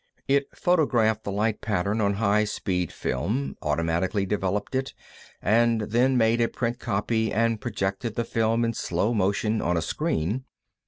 It photographed the light pattern on high speed film, automatically developed it, and then made a print copy and projected the film in slow motion on a screen.